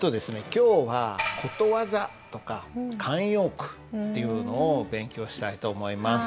今日はことわざとか慣用句っていうのを勉強したいと思います。